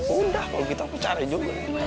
udah kalau gitu aku cari juga